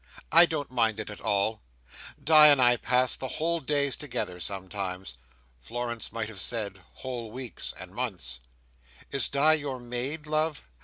"I don't mind it at all. Di and I pass whole days together, sometimes." Florence might have said, whole weeks and months. "Is Di your maid, love?"